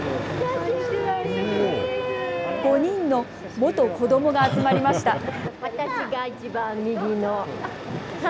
５人の元子どもが集まりました。